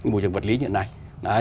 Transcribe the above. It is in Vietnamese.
môi trường vật lý như thế này